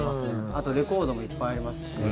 あとレコードもいっぱいありますし。